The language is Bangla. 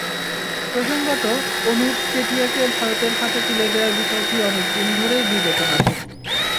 প্রসঙ্গত, অনুপ চেটিয়াকে ভারতের হাতে তুলে দেওয়ার বিষয়টি অনেক দিন ধরেই বিবেচনাধীন।